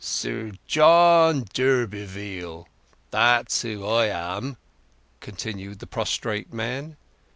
"Sir John d'Urberville—that's who I am," continued the prostrate man.